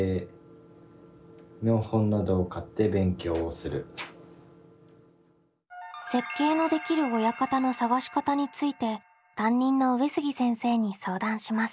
それでは設計のできる親方の探し方について担任の上杉先生に相談します。